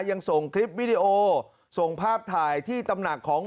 ยังส่งคลิปวิดีโอส่งภาพถ่ายที่ตำหนักของ